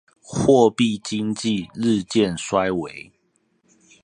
貨幣經濟日漸衰微